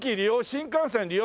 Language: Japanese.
新幹線利用？